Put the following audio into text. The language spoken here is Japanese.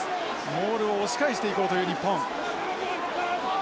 モールを押し返していこうという日本。